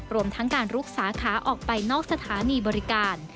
รวมทั้งการลุกสาขาออกไปนอกสถานีบริการ